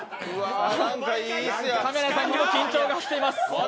カメラさんにも緊張が走っています。